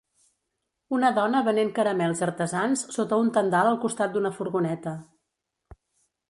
Una dona venent caramels artesans sota un tendal al costat d'una furgoneta.